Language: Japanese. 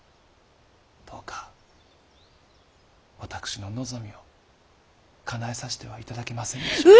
どうか私の望みをかなえさしては頂けませんでしょうか。